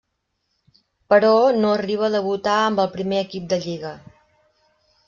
Però, no arriba a debutar amb el primer equip en Lliga.